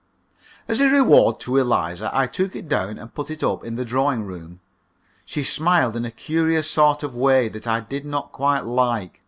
As a reward to Eliza I took it down and put it up in the drawing room. She smiled in a curious sort of way that I did not quite like.